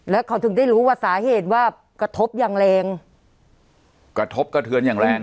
แล้วเขาถึงได้รู้ว่าสาเหตุว่ากระทบอย่างแรงกระทบกระเทือนอย่างแรง